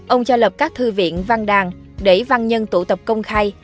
ông cho lập các thư viện văn đàn để văn nhân tụ tập công khai